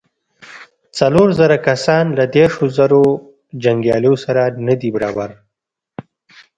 څلور زره کسان له دېرشو زرو جنګياليو سره نه دې برابر.